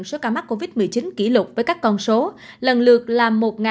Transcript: số ca mắc covid một mươi chín kỷ lục với các con số lần lượt là một một trăm sáu mươi